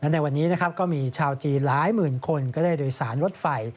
ในวันนี้นะครับก็มีชาวจีนหลายหมื่นคนก็ได้โดยสารรถไฟ